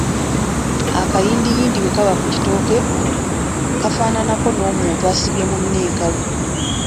Akayindiyindi bwe kaba ku kitooke kafaananako n’omuntu asibye munne enkalu.